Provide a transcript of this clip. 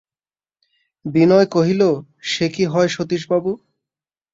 বিনয় কহিল, সে কি হয় সতীশবাবু?